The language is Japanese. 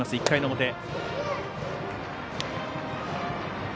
１回の表。